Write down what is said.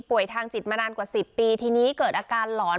ทางจิตมานานกว่า๑๐ปีทีนี้เกิดอาการหลอน